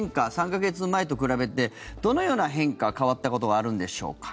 ３か月前と比べてどのような変化変わったことがあるんでしょうか。